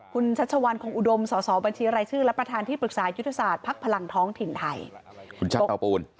คุณชัชวัณคงอุดมสสบัญชีรายชื่อและประธานที่ปรึกษายุทธศาสตร์พักพลังท้องถิ่นไทย